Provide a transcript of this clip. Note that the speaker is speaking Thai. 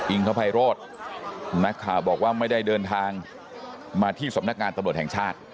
คภัยโรธนักข่าวบอกว่าไม่ได้เดินทางมาที่สำนักงานตำรวจแห่งชาติ